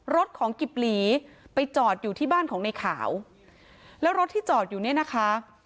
รถของกิบหลีไปจอดอยู่ที่บ้านของในขาวแล้วรถที่จอดอยู่เนี่ยนะคะ